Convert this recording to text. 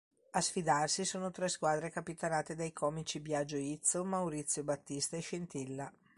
A sfidarsi sono tre squadre capitanate dai comici Biagio Izzo, Maurizio Battista e Scintilla.